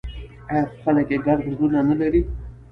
آیا خو خلک یې ګرم زړونه نلري؟